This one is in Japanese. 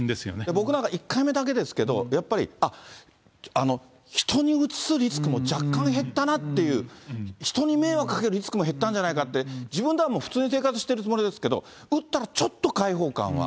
僕なんか１回目だけですけど、やっぱり、あっ、人にうつすリスクも若干減ったなっていう、人に迷惑かけるリスクも減ったんじゃないかって、自分ではもう普通に生活してるつもりですけど、打ったらちょっと解放感は。